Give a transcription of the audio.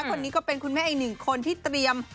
คนนี้ก็เป็นคุณแม่อีกหนึ่งคนที่เตรียม